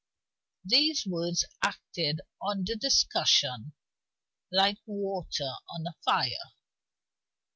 Those words acted on the discussion like water on a fire.